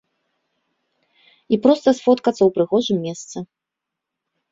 І проста сфоткацца ў прыгожым месцы.